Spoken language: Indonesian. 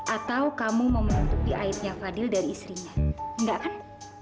atau kamu mau menutupi aibnya fadil dari istrinya enggak kan